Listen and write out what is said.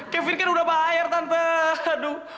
kevin kan udah bayar tante aduh